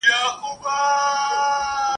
خواږه یاران وه پیالې د مُلو ,